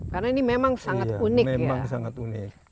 karena ini memang sangat unik ya